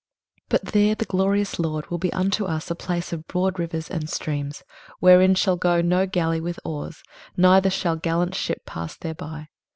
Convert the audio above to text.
23:033:021 But there the glorious LORD will be unto us a place of broad rivers and streams; wherein shall go no galley with oars, neither shall gallant ship pass thereby.